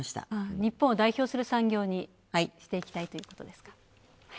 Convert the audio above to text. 日本を代表する産業にしていきたいということですね。